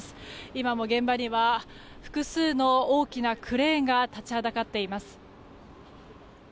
今も現場には複数の大きなクレーンが立ちはだかっています。